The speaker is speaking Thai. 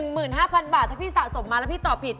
๑๕๐๐บาทถ้าพี่สะสมมาแล้วพี่ตอบผิด